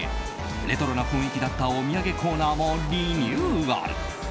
レトロな雰囲気だったお土産コーナーもリニューアル。